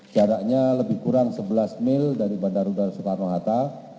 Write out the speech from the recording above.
jaraknya lebih kurang sebelas mil dari bandar udara soekarno hatta